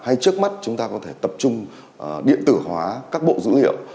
hay trước mắt chúng ta có thể tập trung điện tử hóa các bộ dữ liệu